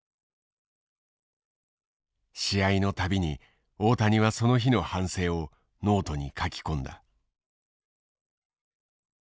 試合の度に大谷はその日の反省をノートに書き込んだ。